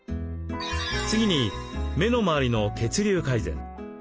次に目の周りの血流改善。